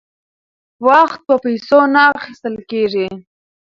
وخت په پیسو نه اخیستل کیږي.